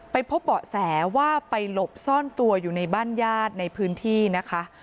ไปพบเบาะแสว่าไปหลบซ่อนตัวอยู่ในบ้านญาติในพื้นที่นะคะ